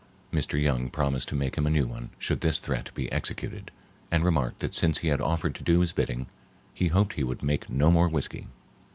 Mr. Young promised to make him a new one, should this threat be executed, and remarked that since he had offered to do his bidding he hoped he would make no more whiskey.